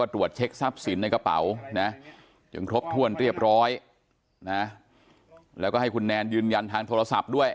สวัสดีครับบอกเลยครับ